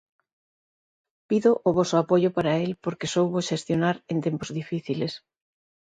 Pido o voso apoio para el porque soubo xestionar en tempos difíciles.